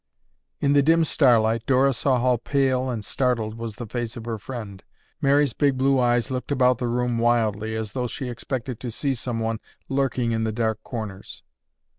In the dim starlight, Dora saw how pale and startled was the face of her friend. Mary's big blue eyes looked about the room wildly as though she expected to see someone lurking in the dark corners.